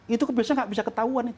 itu biasanya nggak bisa ketahuan itu